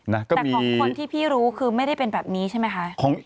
แต่ของคนที่พี่รู้คือไม่ได้เป็นแบบนี้ใช่ไหมคะ